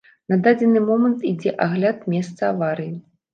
На дадзены момант ідзе агляд месца аварыі.